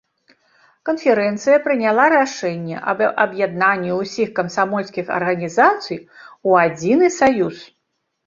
Канферэнцыя прыняла рашэнне аб аб'яднанні ўсіх камсамольскіх арганізацый у адзіны саюз.